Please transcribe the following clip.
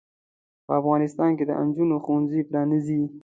په افغانستان کې د انجونو ښوونځې پرانځئ.